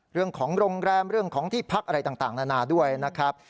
เรื่องของโรงแรมเรื่องของที่พักอะไรต่างนานาด้วยนะครับ